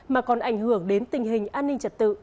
mà còn ảnh hưởng đến tình hình an ninh trật tự